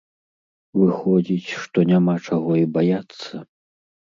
Выходзіць, што няма чаго і баяцца?